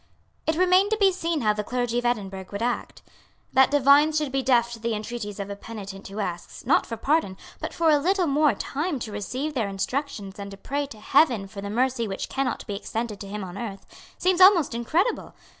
It remained to be seen how the clergy of Edinburgh would act. That divines should be deaf to the entreaties of a penitent who asks, not for pardon, but for a little more time to receive their instructions and to pray to Heaven for the mercy which cannot be extended to him on earth, seems almost incredible.